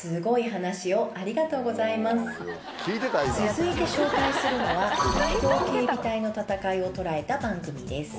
続いて紹介するのは国境警備隊の戦いを捉えた番組です。